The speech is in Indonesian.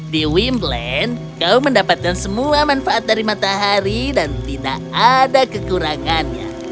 di wimblenn kau mendapatkan semua manfaat dari matahari dan tidak ada kekurangannya